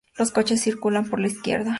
Los coches circulan por la izquierda.